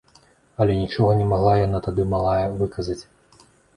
Але нічога не магла яна, тады малая, выказаць.